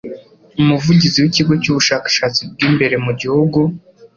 Umuvugizi w'ikigo cy'ubutasi bw'imbere mu gihugu